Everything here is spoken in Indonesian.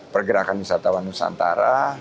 pergerakan wisatawan nusantara